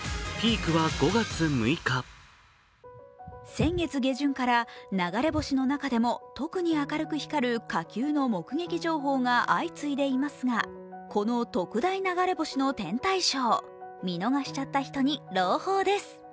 先月下旬から、流れ星の中でも特に明るく光る火球の目撃情報が相次いでいますがこの特大流れ星の天体ショー、見逃しちゃった人に朗報です。